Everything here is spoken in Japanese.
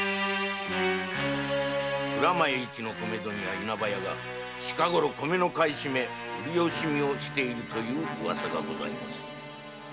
米問屋・稲葉屋が近ごろ買い占め・売り惜しみをしているという噂がございます。